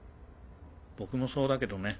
僕もそうだけどね。